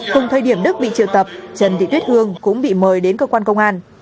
cùng thời điểm đức bị triệu tập trần thị tuyết hương cũng bị mời đến cơ quan công an